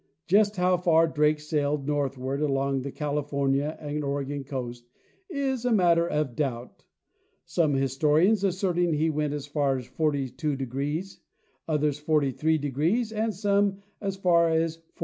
Just how far Drake sailed northward along the California and Oregon coast is a matter of doubt, some historians asserting he went as far as 42°, others 43°, and some as far as 48°.